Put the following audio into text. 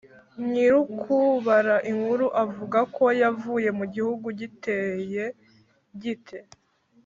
Nyir’ukubara inkuru avuga ko yavukiye mu gihugu giteye gite?